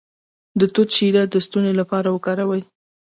د توت شیره د ستوني لپاره وکاروئ